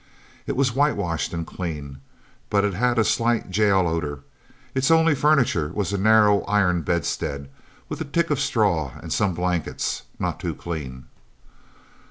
It was whitewashed and clean, but it had a slight jail odor; its only furniture was a narrow iron bedstead, with a tick of straw and some blankets, not too clean.